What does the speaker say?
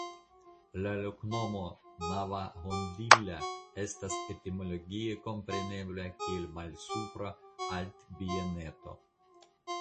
La loknomo "Navahondilla" estas etimologie komprenebla kiel "Malsupra Altbieneto".